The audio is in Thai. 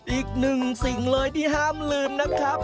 อีกหนึ่งสิ่งเลยที่ห้ามลืมนะครับ